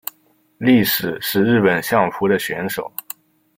力士是日本相扑的选手。